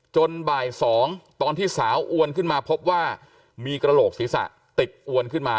บ่าย๒ตอนที่สาวอวนขึ้นมาพบว่ามีกระโหลกศีรษะติดอวนขึ้นมา